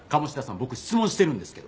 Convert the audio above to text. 僕質問してるんですけど。